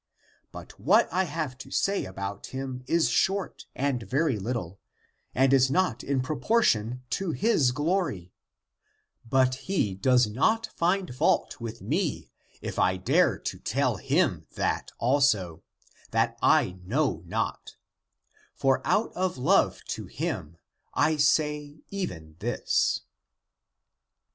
But what I have to say about him is short and very little, and is not in pro portion to his glory; but he does not find fault with me if I dare to tell him that also, that I know not; for out of love to him I say even this."